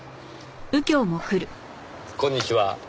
こんにちは。